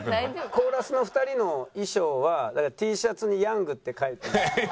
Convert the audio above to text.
「コーラスの２人の衣装はＴシャツに“やんぐ”って書いて」。